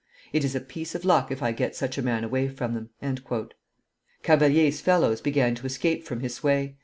It is a piece of luck if I get such a man away from them." Cavalier's fellows began to escape from his sway.